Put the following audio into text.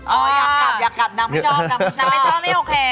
อ๋อกลับน้ำไม่ชอบน้ำไม่ชอบไม่โอเค